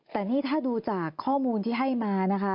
แต่นี่ถ้าดูจากข้อมูลที่ให้มานะคะ